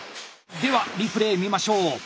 ではリプレー見ましょう。